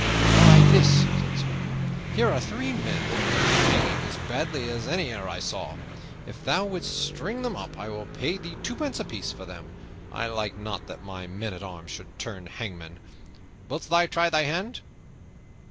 "Why, this," said the Sheriff. "Here are three men that need hanging as badly as any e'er I saw. If thou wilt string them up I will pay thee twopence apiece for them. I like not that my men at arms should turn hangmen. Wilt thou try thy hand?"